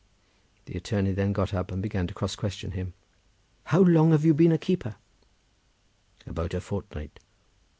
The attorney then got up, and began to cross question him. "How long have you been a keeper?" "About a fortnight."